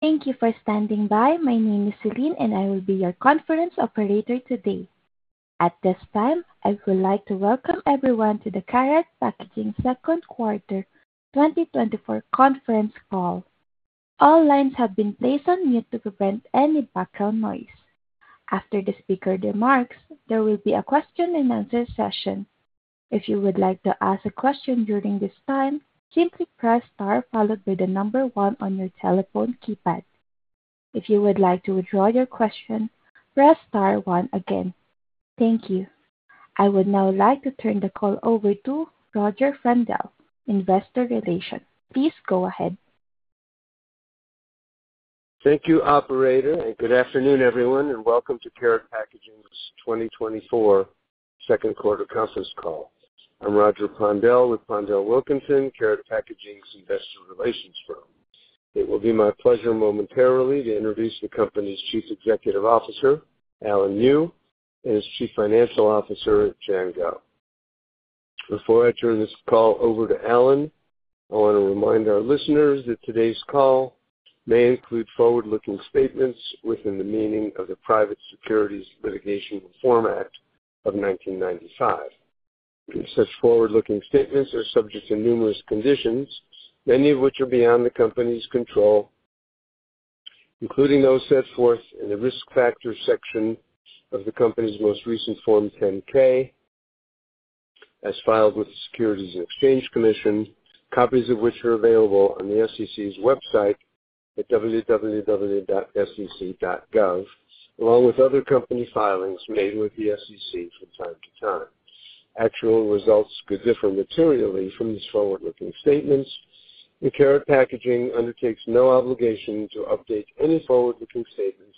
Thank you for standing by. My name is Celine, and I will be your conference operator today. At this time, I would like to welcome everyone to the Karat Packaging second quarter 2024 conference call. All lines have been placed on mute to prevent any background noise. After the speaker remarks, there will be a question-and-answer session. If you would like to ask a question during this time, simply press star followed by the number one on your telephone keypad. If you would like to withdraw your question, press star one again. Thank you. I would now like to turn the call over to Roger Pondel, Investor Relations. Please go ahead. Thank you, operator, and good afternoon, everyone, and welcome to Karat Packaging's 2024 second quarter conference call. I'm Roger Pondel with PondelWilkinson, Karat Packaging's investor relations firm. It will be my pleasure momentarily to introduce the company's Chief Executive Officer, Alan Yu, and his Chief Financial Officer, Jian Guo. Before I turn this call over to Alan, I want to remind our listeners that today's call may include forward-looking statements within the meaning of the Private Securities Litigation Reform Act of 1995. Such forward-looking statements are subject to numerous conditions, many of which are beyond the company's control, including those set forth in the Risk Factors section of the company's most recent Form 10-K, as filed with the Securities and Exchange Commission, copies of which are available on the SEC's website at www.sec.gov, along with other company filings made with the SEC from time to time. Actual results could differ materially from these forward-looking statements. Karat Packaging undertakes no obligation to update any forward-looking statements,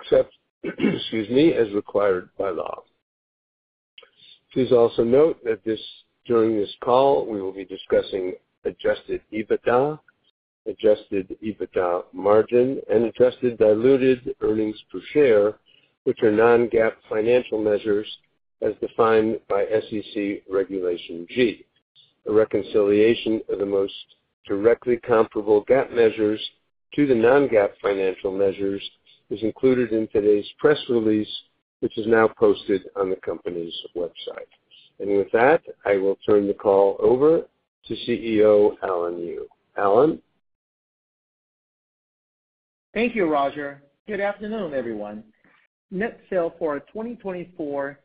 except, excuse me, as required by law. Please also note that during this call, we will be discussing Adjusted EBITDA, Adjusted EBITDA margin, and Adjusted Diluted Earnings Per Share, which are non-GAAP financial measures as defined by SEC Regulation G. A reconciliation of the most directly comparable GAAP measures to the non-GAAP financial measures is included in today's press release, which is now posted on the company's website. With that, I will turn the call over to CEO Alan Yu. Alan? Thank you, Roger. Good afternoon, everyone. Net sales for our 2024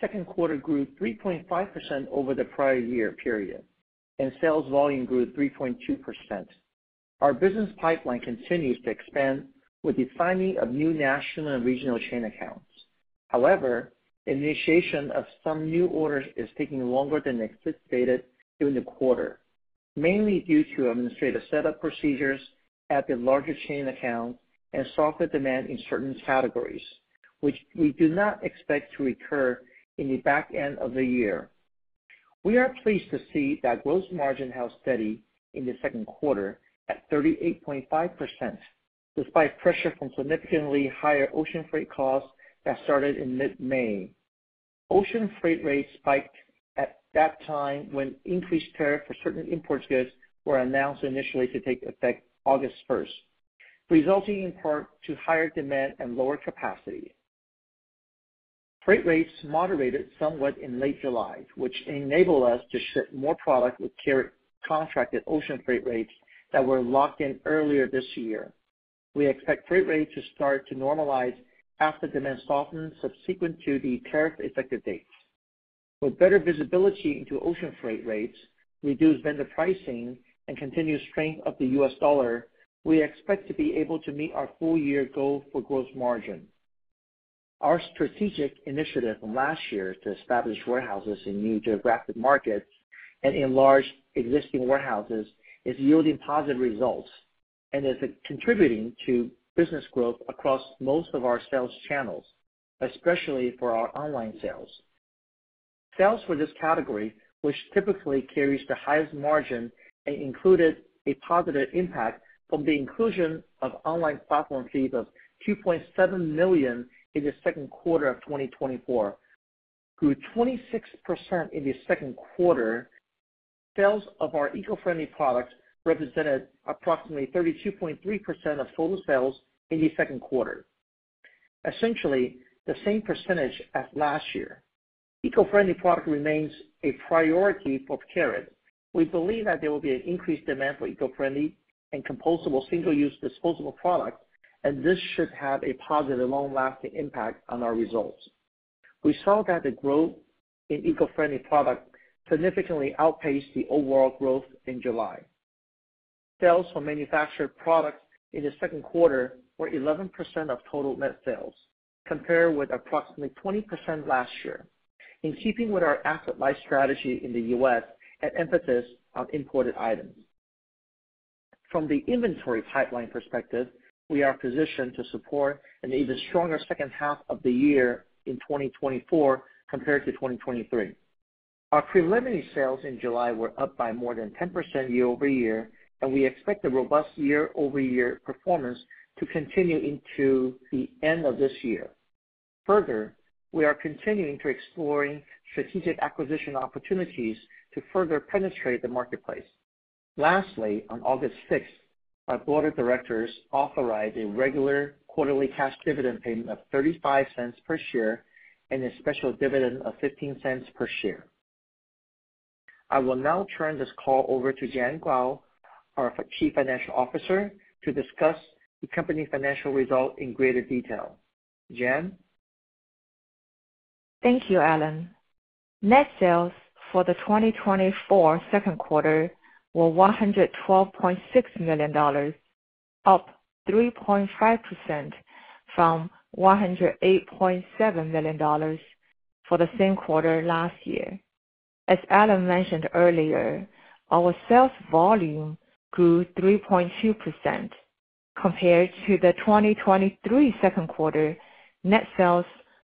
second quarter grew 3.5% over the prior year period, and sales volume grew 3.2%. Our business pipeline continues to expand with the signing of new national and regional chain accounts. However, initiation of some new orders is taking longer than expected during the quarter, mainly due to administrative setup procedures at the larger chain accounts and softer demand in certain categories, which we do not expect to recur in the back end of the year. We are pleased to see that gross margin held steady in the second quarter at 38.5%, despite pressure from significantly higher ocean freight costs that started in mid-May. Ocean freight rates spiked at that time when increased tariff for certain import goods were announced initially to take effect August first, resulting in part to higher demand and lower capacity. Freight rates moderated somewhat in late July, which enabled us to ship more product with carrier contracted ocean freight rates that were locked in earlier this year. We expect freight rates to start to normalize after demand softens subsequent to the tariff effective dates. With better visibility into ocean freight rates, reduced vendor pricing, and continued strength of the U.S. dollar, we expect to be able to meet our full-year goal for gross margin. Our strategic initiative from last year to establish warehouses in new geographic markets and enlarge existing warehouses is yielding positive results and is contributing to business growth across most of our sales channels, especially for our online sales. Sales for this category, which typically carries the highest margin and included a positive impact from the inclusion of online platform fees of $2.7 million in the second quarter of 2024, grew 26% in the second quarter. Sales of our eco-friendly products represented approximately 32.3% of total sales in the second quarter, essentially the same percentage as last year. eco-friendly product remains a priority for Karat. We believe that there will be an increased demand for eco-friendly and compostable single-use disposable products, and this should have a positive, long-lasting impact on our results. We saw that the growth in eco-friendly products significantly outpaced the overall growth in July. Sales for manufactured products in the second quarter were 11% of total net sales, compared with approximately 20% last year, in keeping with our asset-light strategy in the U.S. and emphasis on imported items. From the inventory pipeline perspective, we are positioned to support an even stronger second half of the year in 2024 compared to 2023. Our preliminary sales in July were up by more than 10% year-over-year, and we expect a robust year-over-year performance to continue into the end of this year. Further, we are continuing to exploring strategic acquisition opportunities to further penetrate the marketplace. Lastly, on August sixth, our board of directors authorized a regular quarterly cash dividend payment of $0.35 per share and a special dividend of $0.15 per share. I will now turn this call over to Jian Guo, our Chief Financial Officer, to discuss the company financial results in greater detail. Jian? Thank you, Alan. Net sales for the 2024 second quarter were $112.6 million, up 3.5% from $108.7 million for the same quarter last year. As Alan mentioned earlier, our sales volume grew 3.2% compared to the 2023 second quarter. Net sales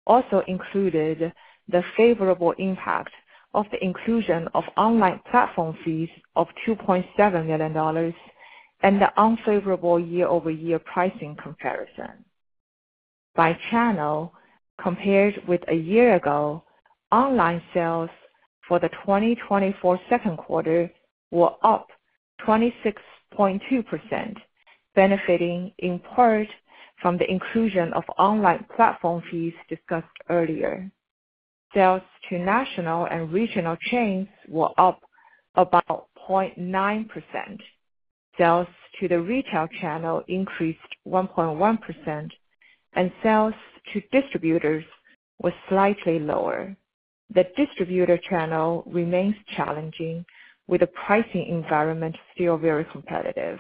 also included the favorable impact of the inclusion of online platform fees of $2.7 million and the unfavorable year-over-year pricing comparison. By channel, compared with a year ago, online sales for the 2024 second quarter were up 26.2%, benefiting in part from the inclusion of online platform fees discussed earlier. Sales to national and regional chains were up about 0.9%. Sales to the retail channel increased 1.1%, and sales to distributors was slightly lower. The distributor channel remains challenging, with the pricing environment still very competitive.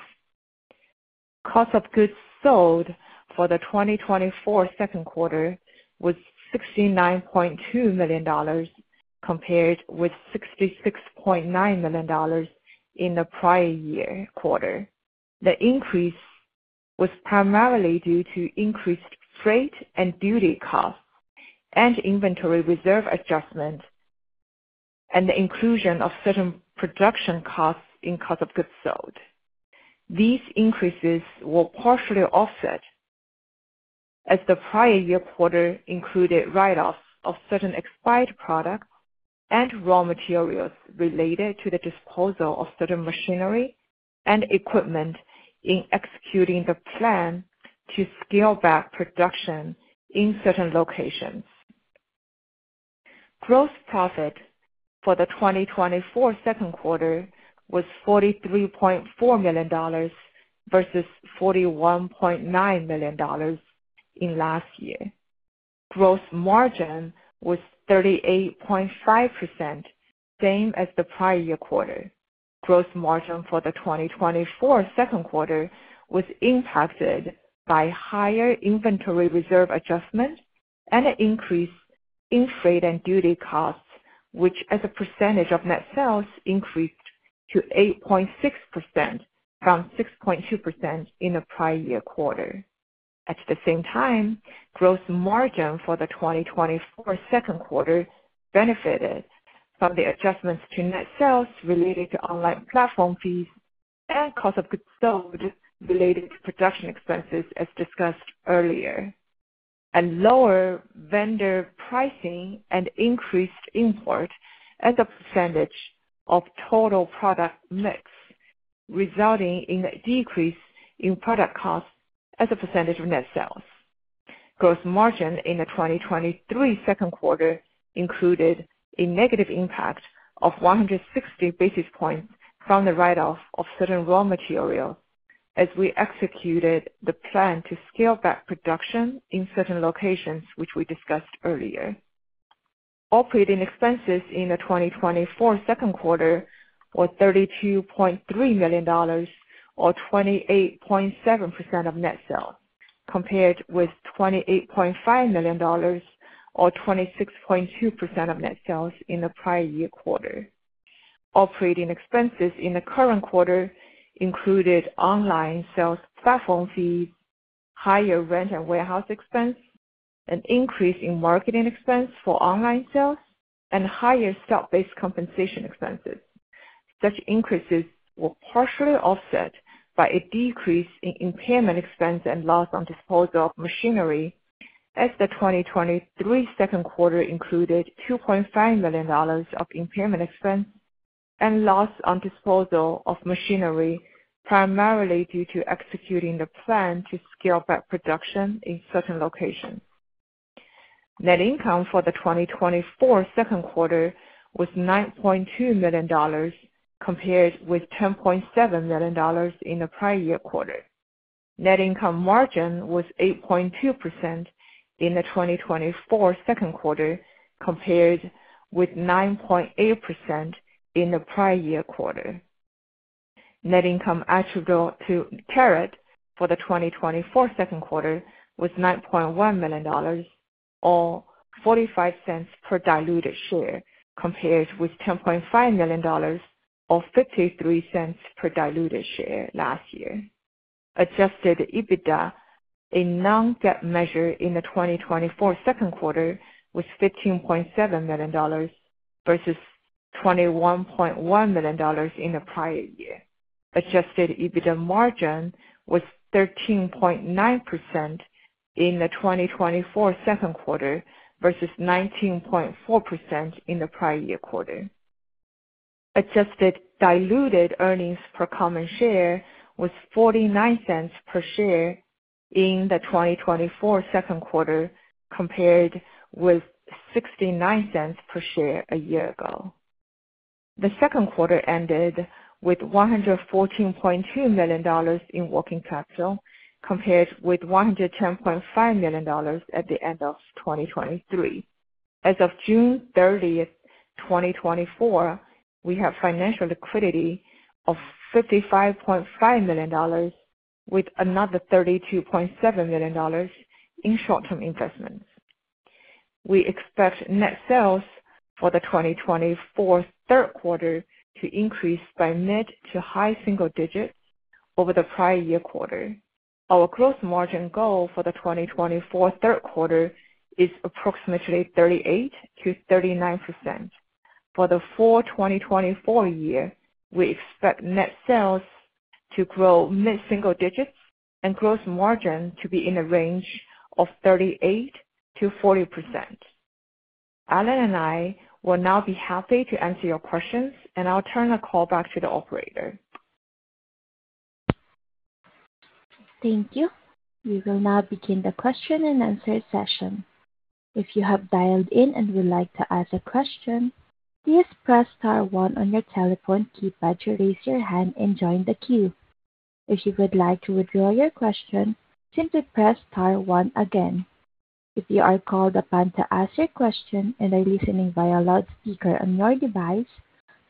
Cost of goods sold for the 2024 second quarter was $69.2 million, compared with $66.9 million in the prior year quarter. The increase was primarily due to increased freight and duty costs and inventory reserve adjustments, and the inclusion of certain production costs in cost of goods sold. These increases were partially offset, as the prior year quarter included write-offs of certain expired products and raw materials related to the disposal of certain machinery and equipment in executing the plan to scale back production in certain locations. Gross profit for the 2024 second quarter was $43.4 million versus $41.9 million in last year. Gross margin was 38.5%, same as the prior year quarter. Gross margin for the 2024 second quarter was impacted by higher inventory reserve adjustments and an increase in freight and duty costs, which as a percentage of net sales, increased to 8.6% from 6.2% in the prior year quarter. At the same time, gross margin for the 2024 second quarter benefited from the adjustments to net sales related to online platform fees and cost of goods sold related to production expenses, as discussed earlier. Lower vendor pricing and increased import as a percentage of total product mix, resulting in a decrease in product cost as a percentage of net sales. Gross margin in the 2023 second quarter included a negative impact of 160 basis points from the write-off of certain raw material as we executed the plan to scale back production in certain locations, which we discussed earlier. Operating expenses in the 2024 second quarter were $32.3 million or 28.7% of net sales, compared with $28.5 million or 26.2% of net sales in the prior year quarter. Operating expenses in the current quarter included online sales platform fees, higher rent and warehouse expense, an increase in marketing expense for online sales, and higher stock-based compensation expenses. Such increases were partially offset by a decrease in impairment expense and loss on disposal of machinery, as the 2023 second quarter included $2.5 million of impairment expense and loss on disposal of machinery, primarily due to executing the plan to scale back production in certain locations. Net income for the 2024 second quarter was $9.2 million, compared with $10.7 million in the prior year quarter. Net income margin was 8.2% in the 2024 second quarter, compared with 9.8% in the prior year quarter. Net income attributable to Karat for the 2024 second quarter was $9.1 million or $0.45 per diluted share, compared with $10.5 million or $0.53 per diluted share last year. Adjusted EBITDA, a non-GAAP measure in the 2024 second quarter, was $15.7 million versus $21.1 million in the prior year. Adjusted EBITDA margin was 13.9% in the 2024 second quarter versus 19.4% in the prior year quarter. Adjusted diluted earnings per common share was $0.49 per share in the 2024 second quarter, compared with $0.69 per share a year ago. The second quarter ended with $114.2 million in working capital, compared with $110.5 million at the end of 2023. As of June 30, 2024, we have financial liquidity of $55.5 million, with another $32.7 million in short-term investments. We expect net sales for the 2024 third quarter to increase by mid- to high-single digits over the prior year quarter. Our gross margin goal for the 2024 third quarter is approximately 38%-39%. For the full-year 2024, we expect net sales to grow mid-single digits and gross margin to be in a range of 38%-40%. Alan and I will now be happy to answer your questions, and I'll turn the call back to the operator. Thank you. We will now begin the question-and-answer session. If you have dialed in and would like to ask a question, please press star one on your telephone keypad to raise your hand and join the queue. If you would like to withdraw your question, simply press star one again. If you are called upon to ask your question and are listening via loudspeaker on your device,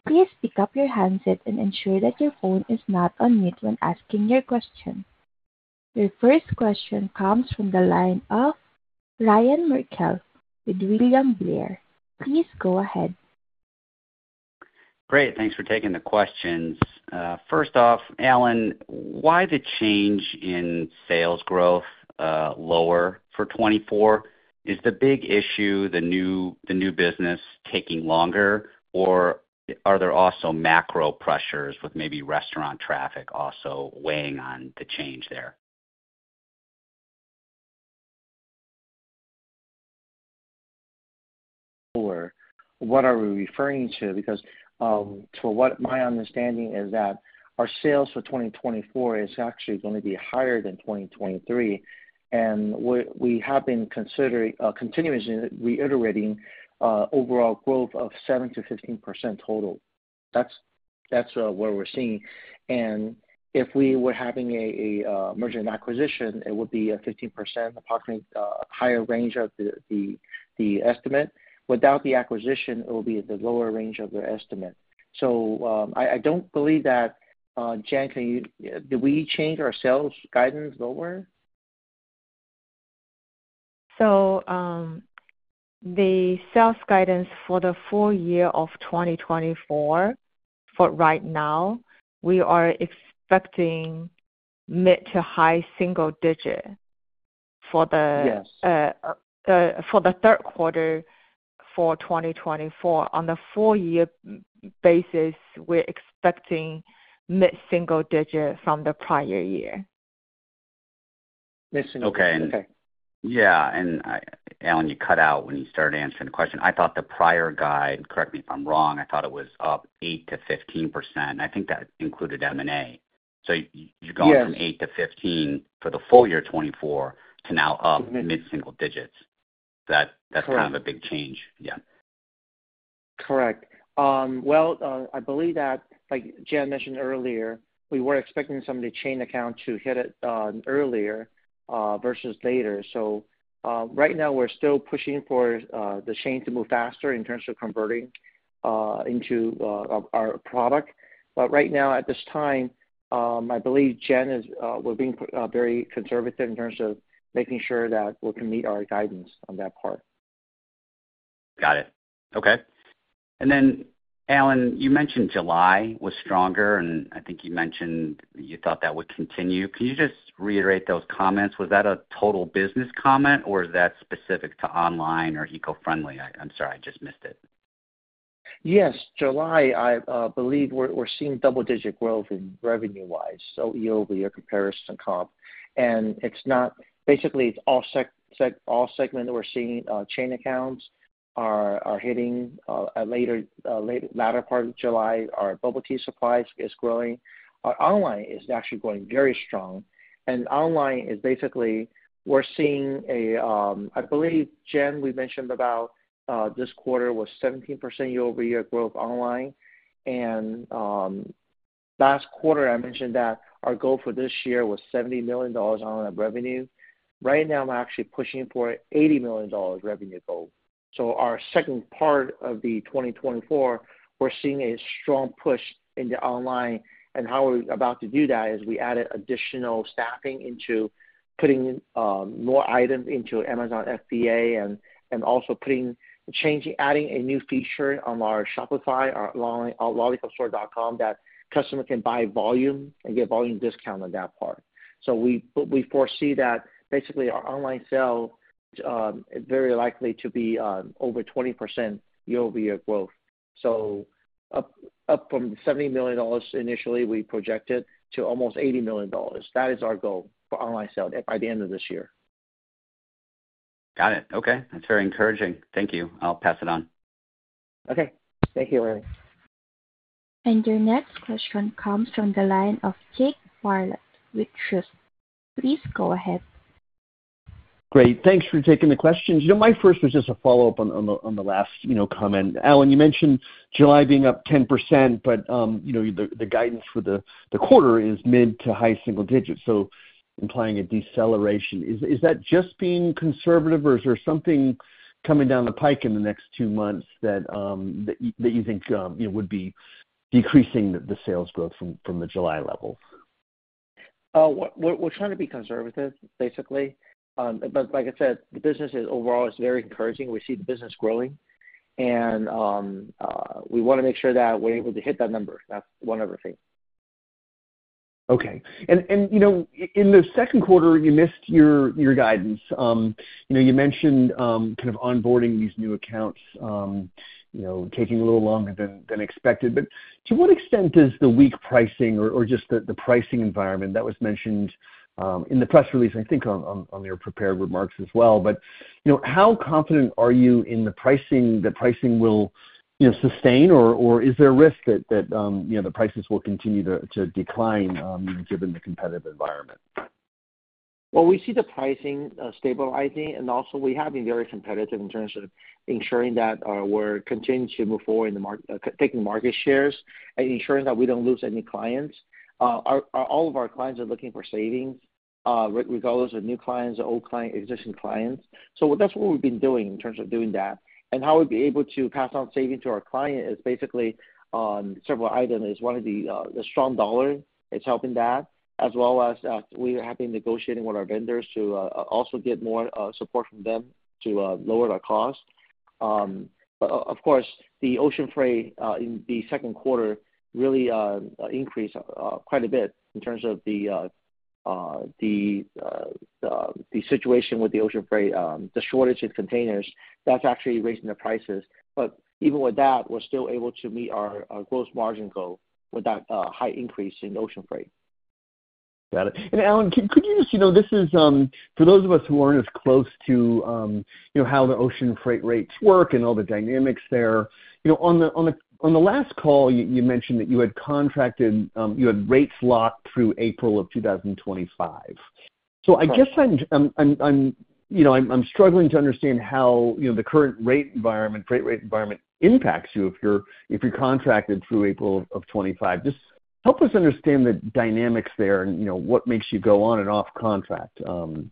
please pick up your handset and ensure that your phone is not on mute when asking your question. Your first question comes from the line of Ryan Merkel with William Blair. Please go ahead. Great, thanks for taking the questions. First off, Alan, why the change in sales growth lower for 2024? Is the big issue the new business taking longer, or are there also macro pressures with maybe restaurant traffic also weighing on the change there? Or what are we referring to? Because, to what my understanding is that our sales for 2024 is actually gonna be higher than 2023, and we have been considering continuing reiterating overall growth of 7%-15% total. That's what we're seeing. And if we were having a merger and acquisition, it would be a 15% approximate higher range of the estimate. Without the acquisition, it will be at the lower range of the estimate. So, I don't believe that, Jian, can you... Did we change our sales guidance lower? So, the sales guidance for the full-year of 2024, for right now, we are expecting mid- to high-single-digit for the- Yes. For the third quarter of 2024. On the full-year basis, we're expecting mid-single-digit from the prior year. Mid-single. Okay. Yeah, and I—Alan, you cut out when you started answering the question. I thought the prior guidance, correct me if I'm wrong, I thought it was up 8%-15%, and I think that included M&A. Yes. You're going from 8%-15% for the full-year 2024 to now up mid-single digits. Correct. That's kind of a big change. Yeah. Correct. Well, I believe that, like Jian mentioned earlier, we were expecting some of the chain accounts to hit it earlier versus later. So, right now we're still pushing for the chain to move faster in terms of converting into our product. But right now, at this time, I believe Jian is we're being very conservative in terms of making sure that we can meet our guidance on that part. Got it. Okay. And then, Alan, you mentioned July was stronger, and I think you mentioned you thought that would continue. Can you just reiterate those comments? Was that a total business comment, or is that specific to online or eco-friendly? I, I'm sorry, I just missed it. Yes, July, I believe we're seeing double-digit growth in revenue-wise, so year-over-year comparison comp, and it's not—Basically, it's all segment that we're seeing. Chain accounts are hitting a latter part of July. Our bubble tea supplies is growing. Our online is actually growing very strong, and online is basically, we're seeing a I believe, Jian, we mentioned about this quarter was 17% year-over-year growth online. And last quarter, I mentioned that our goal for this year was $70 million online revenue. Right now, I'm actually pushing for $80 million revenue goal. So our second part of 2024, we're seeing a strong push in the online. And how we're about to do that is we added additional staffing into putting more items into Amazon FBA and also putting, changing, adding a new feature on our Shopify, our online, our LollicupStore.com, that customer can buy volume and get volume discount on that part. So we, but we foresee that basically our online sale is very likely to be over 20% year-over-year growth. So up from $70 million initially, we projected, to almost $80 million. That is our goal for online sales by the end of this year. Got it. Okay, that's very encouraging. Thank you. I'll pass it on. Okay. Thank you, Ryan. Your next question comes from the line of Jake Bartlett with Truist. Please go ahead. Great. Thanks for taking the questions. You know, my first was just a follow-up on the last, you know, comment. Alan, you mentioned July being up 10%, but, you know, the guidance for the quarter is mid- to high-single digits, so implying a deceleration. Is that just being conservative, or is there something coming down the pike in the next two months that you think, you know, would be decreasing the sales growth from the July level? We're trying to be conservative, basically. But like I said, the business overall is very encouraging. We see the business growing, and we wanna make sure that we're able to hit that number. That's one of the things. Okay. And, you know, in the second quarter, you missed your guidance. You know, you mentioned kind of onboarding these new accounts, you know, taking a little longer than expected. But to what extent is the weak pricing or just the pricing environment that was mentioned in the press release, I think on your prepared remarks as well, but, you know, how confident are you in the pricing, the pricing will, you know, sustain? Or is there a risk that, you know, the prices will continue to decline given the competitive environment? Well, we see the pricing stabilizing, and also we have been very competitive in terms of ensuring that we're continuing to move forward in the market, taking market shares and ensuring that we don't lose any clients. All of our clients are looking for savings, regardless of new clients or old client, existing clients. So that's what we've been doing in terms of doing that. And how we've been able to pass on savings to our client is basically on several items, is one of the strong dollar, it's helping that, as well as we have been negotiating with our vendors to also get more support from them to lower the cost. But of course, the ocean freight in the second quarter really increased quite a bit in terms of the situation with the ocean freight, the shortage of containers, that's actually raising the prices. But even with that, we're still able to meet our gross margin goal with that high increase in ocean freight. Got it. And Alan, could you just, you know, this is for those of us who aren't as close to, you know, how the ocean freight rates work and all the dynamics there, you know, on the last call, you mentioned that you had contracted, you had rates locked through April of 2025. So I guess I'm, you know, struggling to understand how, you know, the current rate environment, freight rate environment impacts you if you're contracted through April of 2025. Just help us understand the dynamics there and, you know, what makes you go on and off contract. And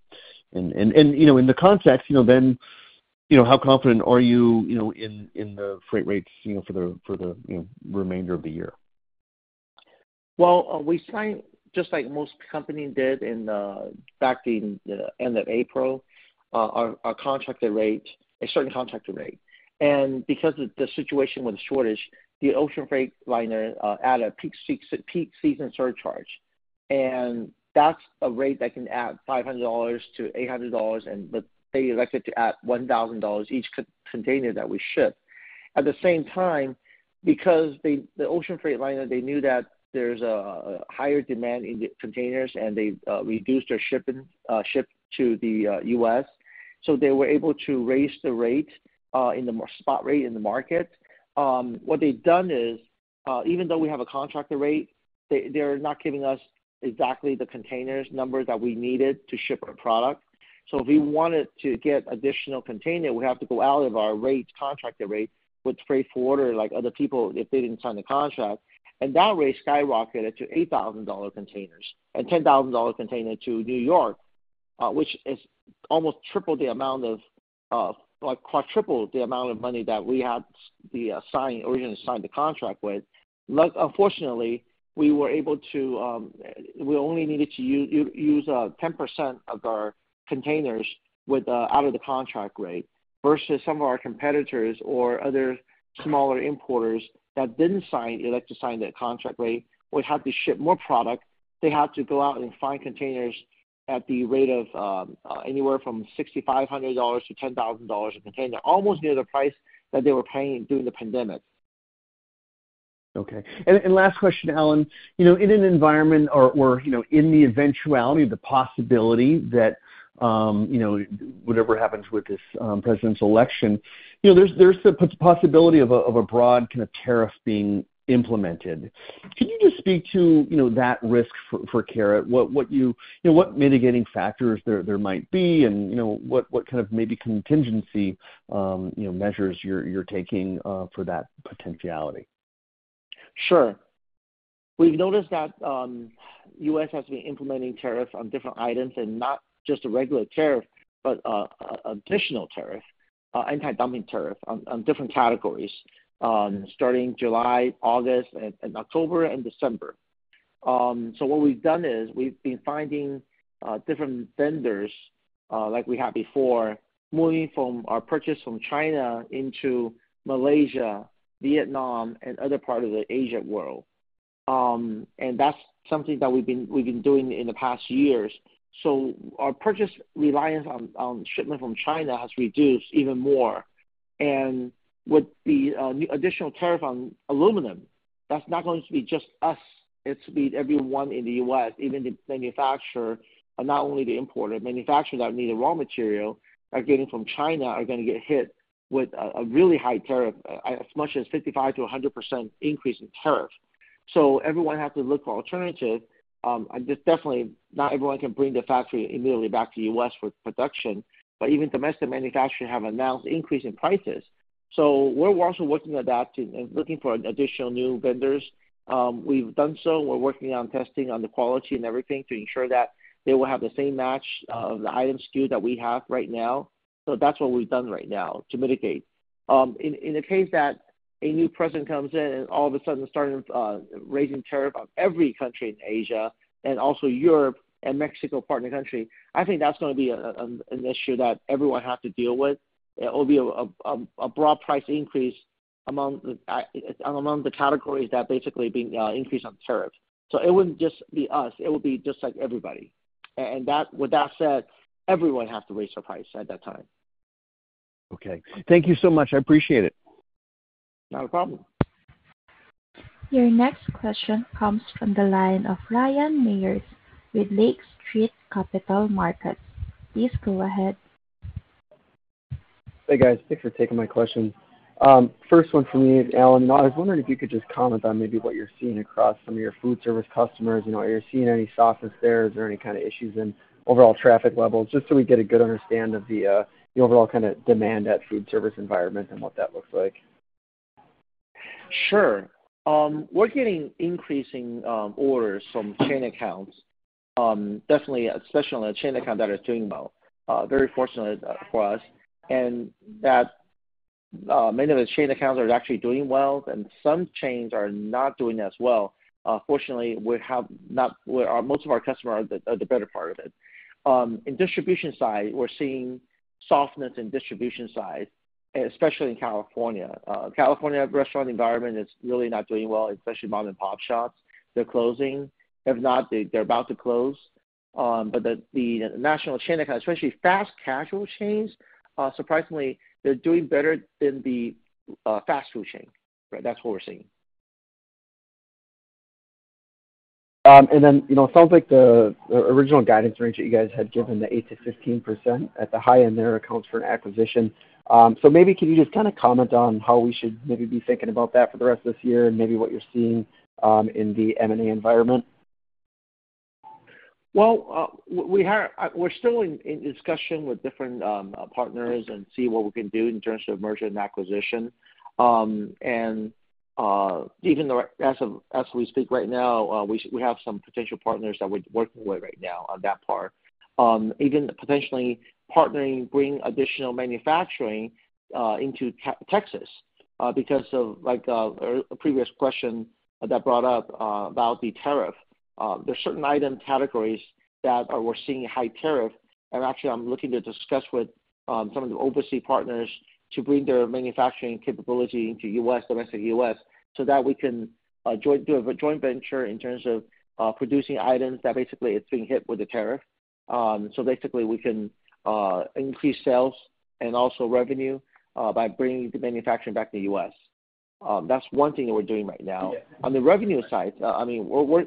you know, in the context, you know, then, you know, how confident are you, you know, in the freight rates, you know, for the remainder of the year? Well, we signed, just like most companies did, in back in the end of April, our contracted rate, a certain contracted rate. And because of the situation with the shortage, the ocean freight liners add a peak season surcharge, and that's a rate that can add $500-$800, but they elected to add $1,000 each container that we ship. At the same time, because the ocean freight liners, they knew that there's a higher demand in the containers, and they reduced their shipping ship to the U.S., so they were able to raise the rate in the more spot rate in the market. What they've done is, even though we have a contracted rate, they're not giving us exactly the containers numbers that we needed to ship our product. So if we wanted to get additional container, we have to go out of our rate, contracted rate, with freight forwarder, like other people, if they didn't sign the contract, and that rate skyrocketed to $8,000 containers and $10,000 container to New York, which is almost triple the amount of, like triple the amount of money that we had the, sign, originally signed the contract with. But unfortunately, we only needed to use 10% of our containers with out of the contract rate versus some of our competitors or other smaller importers that didn't sign, elect to sign that contract rate, would have to ship more product. They have to go out and find containers at the rate of anywhere from $6,500-$10,000 a container, almost near the price that they were paying during the pandemic. Okay. And last question, Alan. You know, in an environment or, you know, in the eventuality, the possibility that, you know, whatever happens with this, presidential election, you know, there's the possibility of a broad kind of tariff being implemented. Can you just speak to, you know, that risk for Karat? What you... You know, what mitigating factors there might be, and, you know, what kind of maybe contingency, you know, measures you're taking for that potentiality? Sure. We've noticed that, U.S. has been implementing tariffs on different items, and not just a regular tariff, but a additional tariff, anti-dumping tariff on different categories, starting July, August, and October and December. So what we've done is we've been finding different vendors, like we had before, moving from our purchase from China into Malaysia, Vietnam, and other part of the Asia world. And that's something that we've been doing in the past years. So our purchase reliance on shipment from China has reduced even more. And with the new additional tariff on aluminum, that's not going to be just us, it's be everyone in the U.S., even the manufacturer, and not only the importer. Manufacturers that need a raw material are getting from China are gonna get hit with a really high tariff, as much as 55%-100% increase in tariff. So everyone has to look for alternative. And just definitely not everyone can bring the factory immediately back to U.S. for production, but even domestic manufacturer have announced increase in prices. So we're also working adapting and looking for additional new vendors. We've done so. We're working on testing on the quality and everything to ensure that they will have the same match of the item SKU that we have right now. So that's what we've done right now to mitigate. In the case that a new president comes in and all of a sudden starting raising tariff on every country in Asia and also Europe and Mexico partner country, I think that's gonna be an issue that everyone has to deal with. It will be a broad price increase among the categories that basically being increased on tariff. So it wouldn't just be us, it would be just like everybody. With that said, everyone has to raise their price at that time. Okay. Thank you so much. I appreciate it. Not a problem. Your next question comes from the line of Ryan Meyers with Lake Street Capital Markets. Please go ahead. Hey, guys. Thanks for taking my question. First one for me is Alan. I was wondering if you could just comment on maybe what you're seeing across some of your food service customers. You know, are you seeing any softness there? Is there any kind of issues in overall traffic levels? Just so we get a good understanding of the overall kind of demand at food service environment and what that looks like. Sure. We're getting increasing orders from chain accounts. Definitely, especially on a chain account that is doing well, very fortunately for us. And that, many of the chain accounts are actually doing well, and some chains are not doing as well. Fortunately, we have not where most of our customers are, are the better part of it. In distribution side, we're seeing softness in distribution side, especially in California. California restaurant environment is really not doing well, especially mom-and-pop shops. They're closing. If not, they're about to close. But the national chain account, especially fast casual chains, surprisingly, they're doing better than the fast food chain. Right? That's what we're seeing. And then, you know, it sounds like the original guidance range that you guys had given, the 8%-15% at the high end there accounts for an acquisition. So maybe can you just kind of comment on how we should maybe be thinking about that for the rest of this year and maybe what you're seeing in the M&A environment? Well, we're still in discussion with different partners and see what we can do in terms of merger and acquisition. And even though as of, as we speak right now, we have some potential partners that we're working with right now on that part. Even potentially partnering, bring additional manufacturing into Texas because of like a previous question that brought up about the tariff. There's certain item categories that we're seeing high tariff, and actually I'm looking to discuss with some of the overseas partners to bring their manufacturing capability into U.S., domestic U.S., so that we can do a joint venture in terms of producing items that basically it's being hit with a tariff. So basically, we can increase sales and also revenue by bringing the manufacturing back to U.S. That's one thing that we're doing right now. On the revenue side, I mean, we're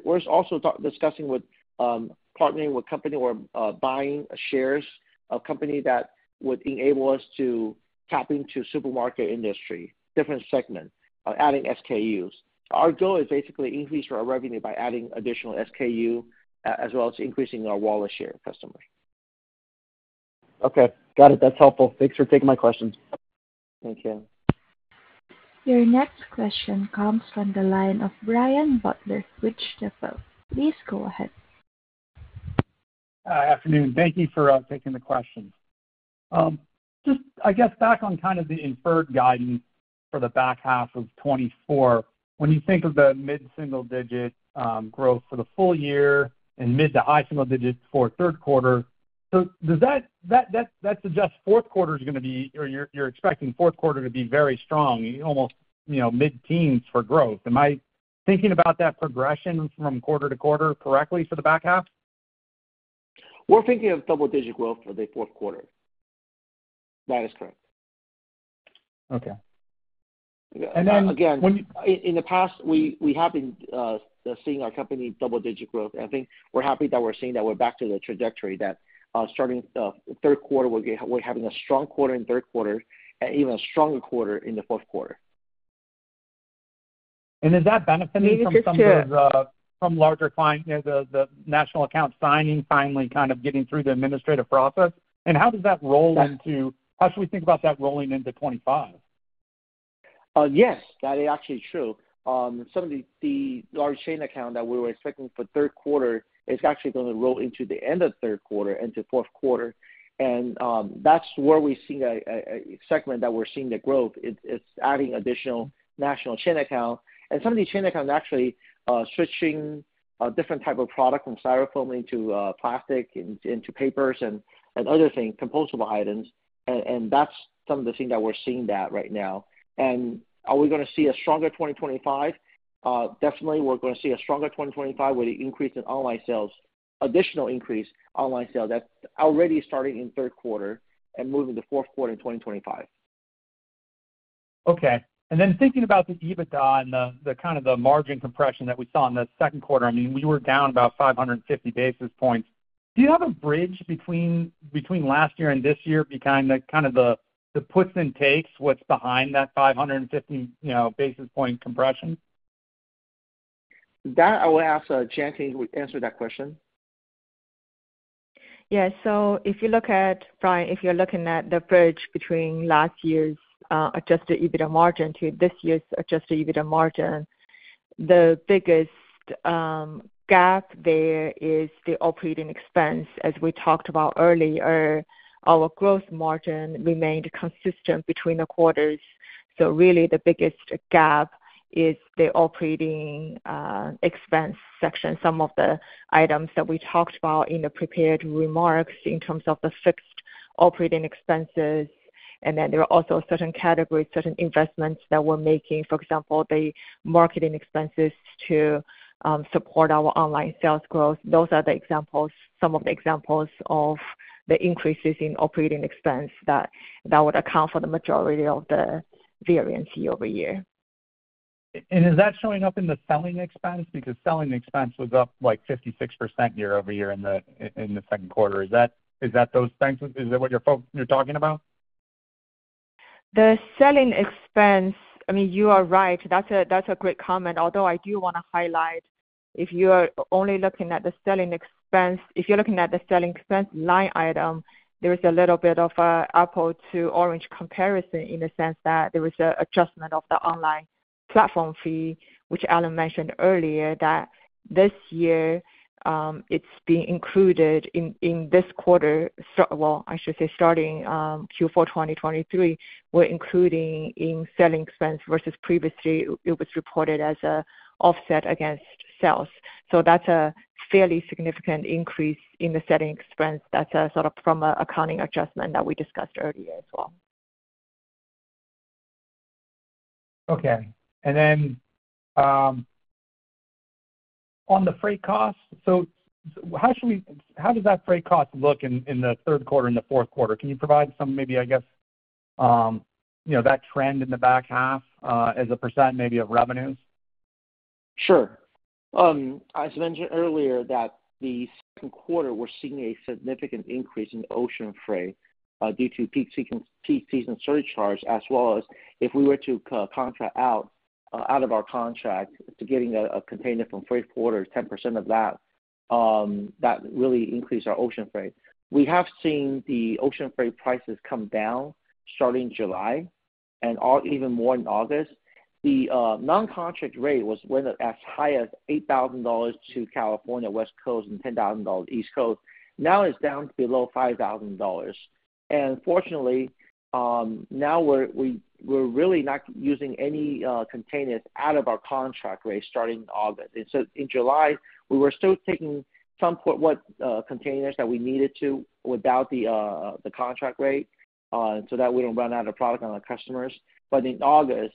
discussing with partnering with company or buying shares of company that would enable us to tap into supermarket industry, different segment, adding SKUs. Our goal is basically increase our revenue by adding additional SKU, as well as increasing our wallet share customers. Okay, got it. That's helpful. Thanks for taking my questions. Thank you. Your next question comes from the line of Ryan Butler, Deutsche Bank. Please go ahead. Afternoon. Thank you for taking the questions. Just I guess back on kind of the inferred guidance for the back half of 2024. When you think of the mid-single digit growth for the full-year and mid- to high-single digits for third quarter, so does that suggest fourth quarter is gonna be, or you're expecting fourth quarter to be very strong, almost, you know, mid-teens for growth. Am I thinking about that progression from quarter to quarter correctly for the back half? We're thinking of double-digit growth for the fourth quarter. That is correct. Okay. And then when- Again, in the past, we have been seeing our company double-digit growth. I think we're happy that we're seeing that we're back to the trajectory that starting third quarter, we're having a strong quarter in third quarter and even a stronger quarter in the fourth quarter. And is that benefiting from some of those, from larger clients, you know, the, the national account signing, finally, kind of getting through the administrative process? And how does that roll into- Yeah. How should we think about that rolling into 2025? Yes, that is actually true. Some of the large chain account that we were expecting for third quarter is actually gonna roll into the end of third quarter into fourth quarter. And, that's where we're seeing a segment that we're seeing the growth. It's adding additional national chain account. And some of these chain accounts are actually switching a different type of product from Styrofoam into plastic, into papers and other things, compostable items. And that's some of the things that we're seeing that right now. And are we gonna see a stronger 2025? Definitely, we're gonna see a stronger 2025 with an increase in online sales, additional increase online sales. That's already starting in third quarter and moving to fourth quarter in 2025. Okay. And then thinking about the EBITDA and the kind of margin compression that we saw in the second quarter, I mean, we were down about 550 basis points. Do you have a bridge between last year and this year, the kind of puts and takes, what's behind that 550, you know, basis point compression? That, I will ask Jian to answer that question. Yeah. So if you look at, Ryan, if you're looking at the bridge between last year's Adjusted EBITDA margin to this year's Adjusted EBITDA margin, the biggest gap there is the operating expense. As we talked about earlier, our gross margin remained consistent between the quarters, so really the biggest gap is the operating expense section, some of the items that we talked about in the prepared remarks in terms of the fixed operating expenses. And then there are also certain categories, certain investments that we're making, for example, the marketing expenses to support our online sales growth. Those are the examples, some of the examples of the increases in operating expense that would account for the majority of the variance year-over-year. Is that showing up in the selling expense? Because selling expense was up, like, 56% year-over-year in the second quarter. Is that, is that those things? Is that what you're talking about? The selling expense, I mean, you are right. That's a, that's a great comment. Although I do wanna highlight, if you are only looking at the selling expense, if you're looking at the selling expense line item, there is a little bit of an apples to oranges comparison in the sense that there is an adjustment of the online platform fee, which Alan mentioned earlier, that this year, it's being included in, in this quarter. So well, I should say, starting Q4 2023, we're including in selling expense versus previously, it was reported as an offset against sales. So that's a fairly significant increase in the selling expense. That's sort of from an accounting adjustment that we discussed earlier as well. Okay. And then, on the freight costs, how does that freight cost look in the third quarter and the fourth quarter? Can you provide some maybe I guess, you know, that trend in the back half, as a percent maybe of revenue? Sure. As mentioned earlier that the second quarter, we're seeing a significant increase in ocean freight due to peak season, peak season surcharge, as well as if we were to co-contract out of our contract to getting a container from freight forwarder, 10% of that really increased our ocean freight. We have seen the ocean freight prices come down starting July and August, even more in August. The non-contract rate went as high as $8,000 to California, West Coast, and $10,000 East Coast. Now it's down to below $5,000. And fortunately, now we're really not using any containers out of our contract rate starting August. And so in July, we were still taking some spot containers that we needed to without the contract rate, so that we don't run out of product on our customers. But in August,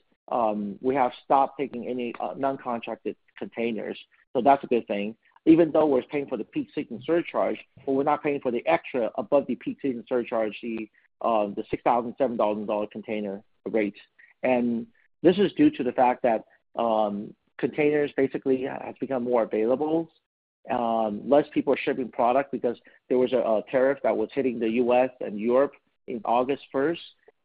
we have stopped taking any non-contracted containers. So that's a good thing. Even though we're paying for the peak season surcharge, but we're not paying for the extra above the peak season surcharge, the $6,000-$7,000 container rates. And this is due to the fact that containers basically have become more available. Less people are shipping product because there was a tariff that was hitting the U.S. and Europe in August first,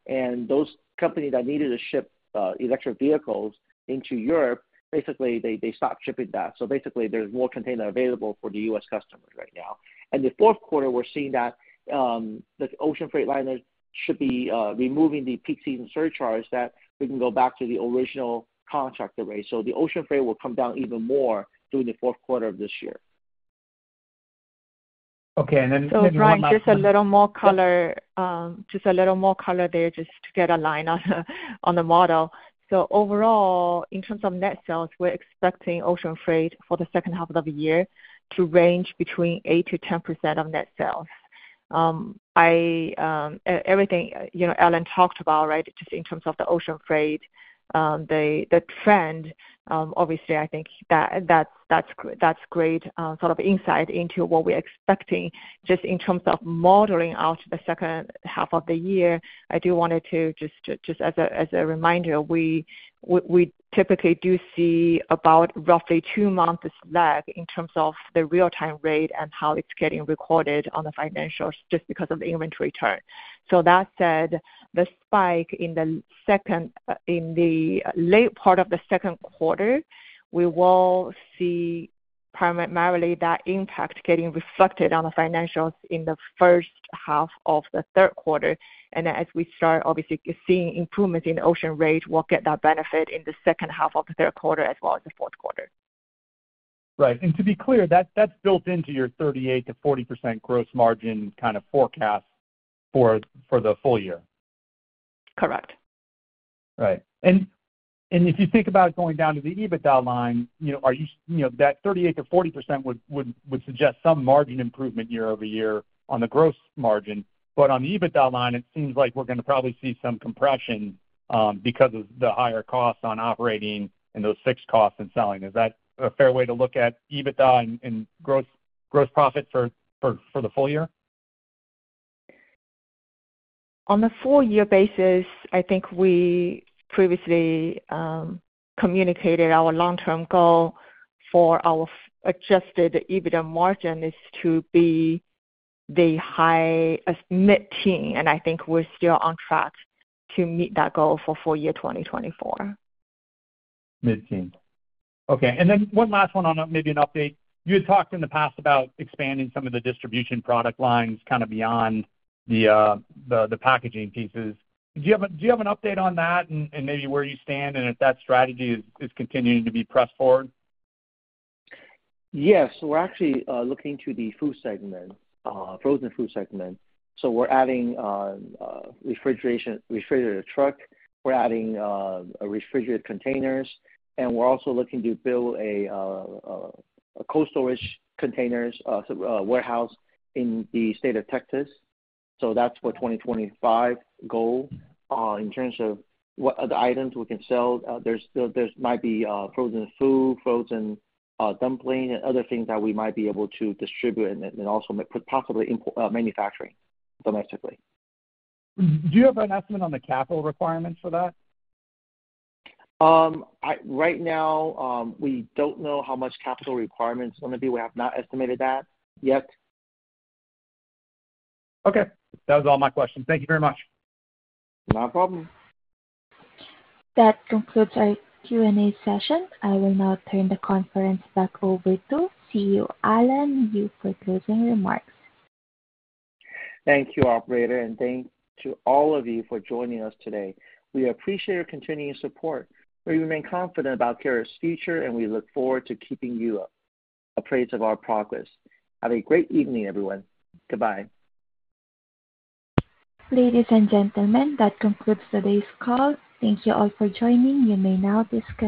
and those companies that needed to ship electric vehicles into Europe, basically, they stopped shipping that. So basically, there's more container available for the U.S. customers right now. In the fourth quarter, we're seeing that, the ocean freight liners should be removing the peak season surcharge, that we can go back to the original contract rate. So the ocean freight will come down even more during the fourth quarter of this year. Okay, and then- So Ryan, just a little more color, just a little more color there, just to get a line on the, on the model. So overall, in terms of net sales, we're expecting ocean freight for the second half of the year to range between 8%-10% of net sales. Everything, you know, Alan talked about, right, just in terms of the ocean freight, the, the trend, obviously, I think that, that's, that's, that's great, sort of insight into what we're expecting. Just in terms of modeling out the second half of the year, I do wanted to, just to, just as a, as a reminder, we, we, we typically do see about roughly two months lag in terms of the real-time rate and how it's getting recorded on the financials just because of the inventory turn. So that said, the spike in the second, in the late part of the second quarter, we will see primarily that impact getting reflected on the financials in the first half of the third quarter. And as we start obviously seeing improvements in ocean rate, we'll get that benefit in the second half of the third quarter as well as the fourth quarter. Right. And to be clear, that's, that's built into your 38%-40% gross margin kind of forecast for, for the full-year?... Correct. Right. And if you think about it going down to the EBITDA line, you know, are you, you know, that 38%-40% would suggest some margin improvement year-over-year on the gross margin. But on the EBITDA line, it seems like we're gonna probably see some compression because of the higher costs on operating and those fixed costs and selling. Is that a fair way to look at EBITDA and gross profit for the full-year? On the full-year basis, I think we previously communicated our long-term goal for our Adjusted EBITDA margin is to be the high as mid-teen, and I think we're still on track to meet that goal for full-year 2024. Mid-teen. Okay, and then one last one on, maybe an update. You had talked in the past about expanding some of the distribution product lines, kind of beyond the packaging pieces. Do you have an update on that and maybe where you stand, and if that strategy is continuing to be pressed forward? Yes. We're actually looking to the food segment, frozen food segment. So we're adding refrigeration, refrigerated truck. We're adding refrigerated containers, and we're also looking to build a cold storage containers warehouse in the state of Texas. So that's for 2025 goal. In terms of what other items we can sell, there's still, there's might be frozen food, frozen dumpling, and other things that we might be able to distribute and then, and also possibly import manufacturing domestically. Do you have an estimate on the capital requirements for that? Right now, we don't know how much capital requirements are gonna be. We have not estimated that yet. Okay. That was all my questions. Thank you very much. Not a problem. That concludes our Q&A session. I will now turn the conference back over to CEO Alan Yu for closing remarks. Thank you, operator, and thanks to all of you for joining us today. We appreciate your continuing support. We remain confident about Karat's future, and we look forward to keeping you up apprised of our progress. Have a great evening, everyone. Goodbye. Ladies and gentlemen, that concludes today's call. Thank you all for joining. You may now disconnect.